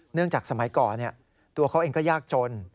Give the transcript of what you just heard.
จากสมัยก่อนตัวเขาเองก็ยากจน